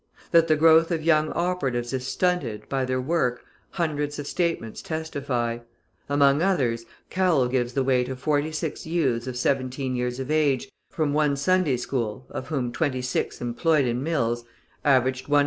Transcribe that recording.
That the growth of young operatives is stunted, by their work, hundreds of statements testify; among others, Cowell gives the weight of 46 youths of 17 years of age, from one Sunday school, of whom 26 employed in mills, averaged 104.